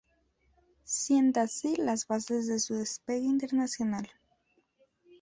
Sienta así las bases de su despegue internacional.